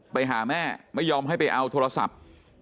ไปหาแม่ไม่ยอมให้ไปเอาโทรศัพท์